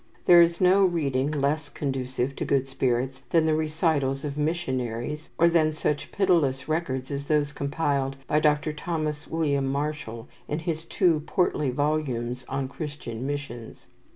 There is no reading less conducive to good spirits than the recitals of missionaries, or than such pitiless records as those compiled by Dr. Thomas William Marshall in his two portly volumes on "Christian Missions."